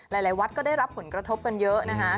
หลายวัดก็ได้รับผลกระทบกันเยอะนะคะ